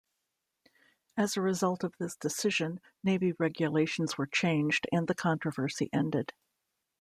As a result of this decision, Navy Regulations were changed, and the controversy ended.